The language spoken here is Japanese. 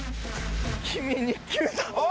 君に決めた！